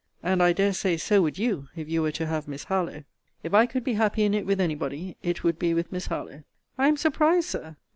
And I dare say, so would you, if you were to have Miss Harlowe. If I could be happy in it with any body, it would be with Miss Harlowe. I am surprised, Sir!